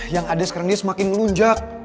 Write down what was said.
yang ada sekarang dia semakin melunjak